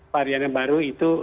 varian yang baru itu